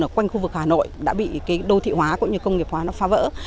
ở quanh khu vực hà nội đã bị đô thị hóa cũng như công nghiệp hóa phá vỡ